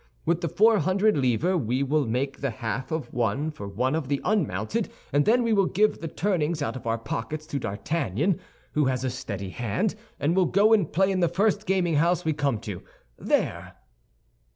With the four hundred livres we will make the half of one for one of the unmounted, and then we will give the turnings out of our pockets to D'Artagnan, who has a steady hand, and will go and play in the first gaming house we come to. There!"